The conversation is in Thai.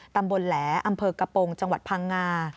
แหลอำเภอกระโปรงจังหวัดพังงา